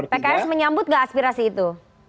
pks menyambut gak aspirasi itu